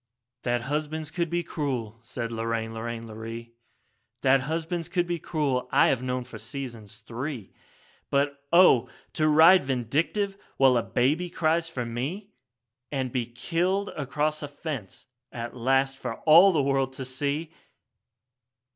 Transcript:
4 'That husbands could be cruel,' said Lorraine, Lorraine, Lorree, 'That husbands could be cruel, I have known for seasons three; But oh! to ride Vindictive while a baby cries for me, And be killed across a fence at last for all the world to see!'